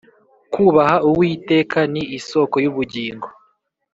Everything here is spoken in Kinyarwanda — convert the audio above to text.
kūbaha uwiteka ni isōko y’ubugingo